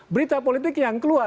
berita politik yang keluar